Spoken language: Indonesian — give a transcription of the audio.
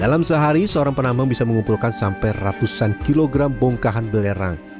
dalam sehari seorang penambang bisa mengumpulkan sampai ratusan kilogram bongkahan belerang